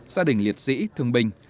gia đình liệt sĩ thương binh